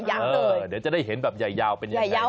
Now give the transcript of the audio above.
เดี๋ยวจะได้เห็นแบบใหญ่ยาวเป็นอย่างไรนะครับ